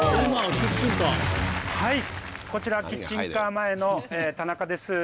はいこちらキッチンカー前の田中です。